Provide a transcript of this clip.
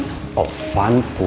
aduuuhh kagannya ovan sama kamu